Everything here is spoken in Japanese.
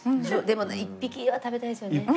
でもね１匹は食べたいですよね。